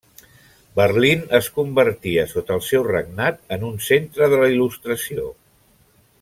Berlín es convertia, sota el seu regnat, en un centre de la Il·lustració.